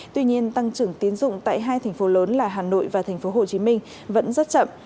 tuy nhiên tăng trưởng tiến dụng tại hai thành phố lớn là hà nội và thành phố hồ chí minh vẫn rất chậm